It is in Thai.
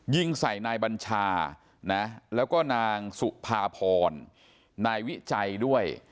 ยิงใส่นายบัญชานะแล้วก็นางสุภาพรนายวิจัยด้วย